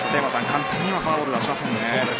簡単にはフォアボール出しませんね。